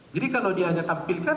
jadi kalau dia hanya tampilkan